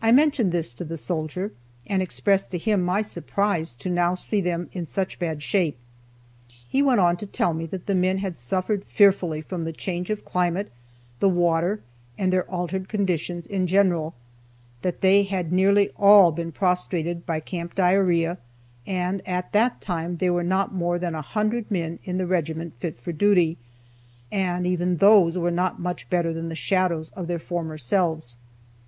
I mentioned this to the soldier, and expressed to him my surprise to now see them in such bad shape. He went on to tell me that the men had suffered fearfully from the change of climate, the water, and their altered conditions in general; that they had nearly all been prostrated by camp diarrhea, and at that time there were not more than a hundred men in the regiment fit for duty, and even those were not much better than shadows of their former selves.